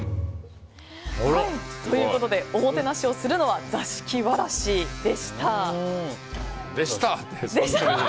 ということでおもてなしをするのはでした！